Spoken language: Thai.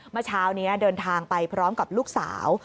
เมื่อเช้านี้เดินทางไปพร้อมกับลูกสาว